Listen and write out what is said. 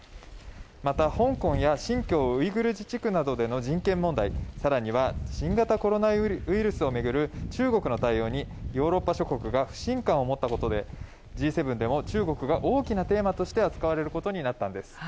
また、香港や新疆ウイグル自治区などでの人権問題更には新型コロナウイルスを巡る中国の対応にヨーロッパ諸国が不信感を持ったことで、Ｇ７でも中国が大きなテーマとして扱われることになったんです。